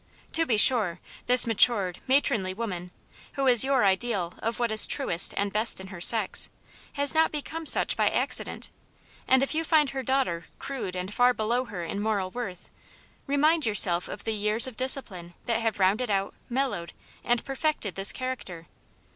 To be sure, this matured, matronly woinan, who is your ideal of what is truest and best in her sex, has not become such by acci dent, and if you find her daughter crude and far below her in moral worth, remind yourself of the years of discipline that have rounded out, mellowed, and perfected this character.